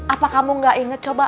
apa kamu gak inget coba